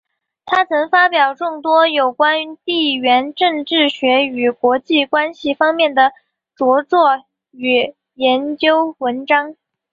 他曾发表众多有关地缘政治学与国际关系方面的着作与研究文章。